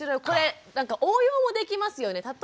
これなんか応用もできますよね。